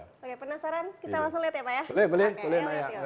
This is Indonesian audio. oke penasaran kita langsung lihat ya pak ya